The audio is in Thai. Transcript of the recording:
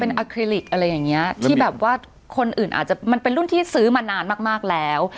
อาคลิลิกอะไรอย่างเงี้ยที่แบบว่าคนอื่นอาจจะมันเป็นรุ่นที่ซื้อมานานมากแล้ว